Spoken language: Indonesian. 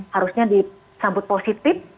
harusnya disambut positif